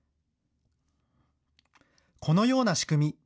このような仕組み。